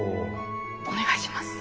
お願いします。